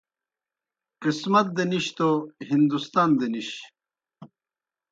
قسمت دہ نِش توْ ہندوستان دہ نِش